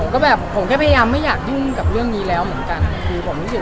ก็ต้องพยายามจะแบบก้าวหน้าไปเร็ว